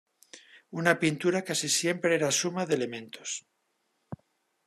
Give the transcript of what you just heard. Una pintura casi siempre era suma de elementos.